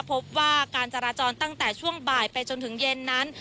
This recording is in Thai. พบว่าการจราจรตั้งแต่ช่วงบ่ายไปจนถึงเย็นนั้น